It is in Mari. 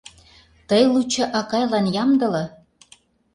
Тый лучо акайлан ямдыле.